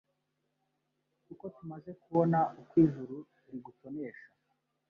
kuko tumaze kubona uko Ijuru rigutonesha